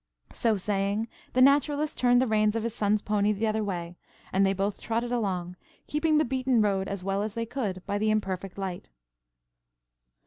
So saying, the Naturalist turned the reins of his son's pony the other way, and they both trotted along, keeping the beaten road as well as they could by the imperfect light.